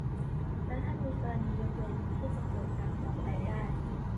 แล้วถ้ามีกรณียกเว้นที่จะเกิดการปลอมแปลงได้